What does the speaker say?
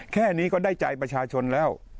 แค่นี้ก็ได้ใจประชาชนแล้ว